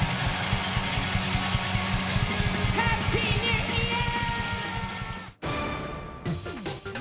「ハッピーニューイヤー！」